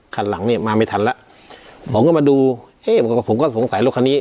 คันหลังเนี่ยมาไม่ทันแล้วผมก็มาดูเอ๊ะผมก็สงสัยรถคันนี้